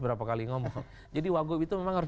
berapa kali ngomong jadi wagub itu memang harus